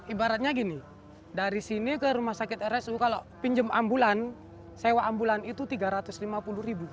ibaratnya gini dari sini ke rumah sakit rsu kalau pinjam ambulan sewa ambulan itu tiga ratus lima puluh ribu